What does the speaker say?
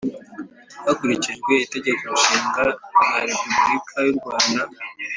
hakurikijwe itegeko nshinga rya repubulika y’u rwanda